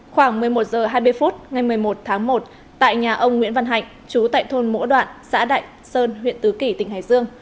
khoảng một mươi một h hai mươi phút ngày một mươi một tháng một tại nhà ông nguyễn văn hạnh chú tại thôn mỗ đoạn xã đại sơn huyện tứ kỳ tỉnh hải dương